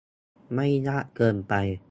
ไม่ยากเกินไป